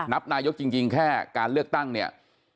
นายกจริงแค่การเลือกตั้งเนี่ย